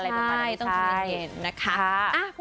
อะไรประมาณนั้นใช่ต้องจะเห็นนะคะ